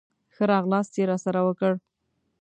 ښه راغلاست یې راسره وکړ.